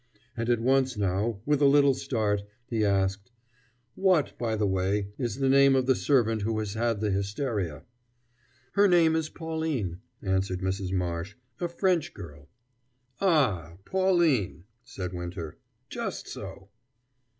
And at once now, with a little start, he asked: "What, by the way, is the name of the servant who has had the hysteria?" "Her name is Pauline," answered Mrs. Marsh "a French girl." "Ah, Pauline!" said Winter "just so."